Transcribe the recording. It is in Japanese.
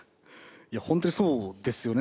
いやホントにそうですよね。